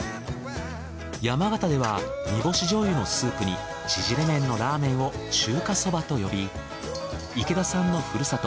山形では煮干し醤油のスープにちぢれ麺のラーメンを中華そばと呼び池田さんのふるさと